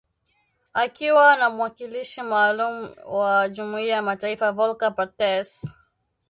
Akiwa na mwakilishi maalum wa Jumuiya ya mataifa, Volker Perthes.